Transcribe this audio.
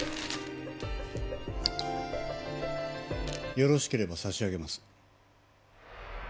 よろしければ差し上げます。